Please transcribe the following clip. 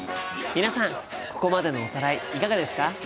皆さんここまでのおさらいいかがですか？